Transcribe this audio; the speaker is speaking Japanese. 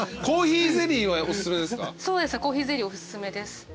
コーヒーゼリーおすすめです。